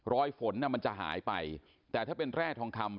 ฝนมันจะหายไปแต่ถ้าเป็นแร่ทองคำ